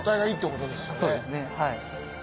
そうですねはい。